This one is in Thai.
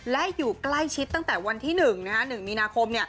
และอยู่ใกล้ชิดตั้งแต่วันที่๑๑มีนาคม